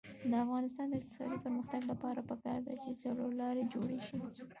د افغانستان د اقتصادي پرمختګ لپاره پکار ده چې څلورلارې جوړې شي.